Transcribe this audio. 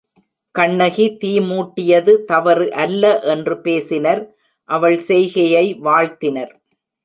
கண்ணகி தீ மூட்டியது தவறு அல்ல என்று பேசினர் அவள் செய்கையை வாழ்த்தினர்.